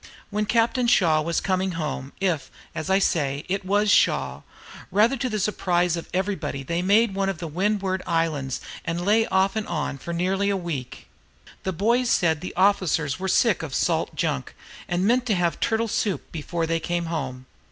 When Captain Shaw was coming home, if, as I say, it was Shaw, rather to the surprise of everybody they made one of the Windward Islands, and lay off and on for nearly a week. The boys said the officers were sick of salt junk, and meant to have turtle soup before they came home.